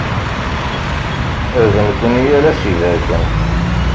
D nekkni ara as-ibarken.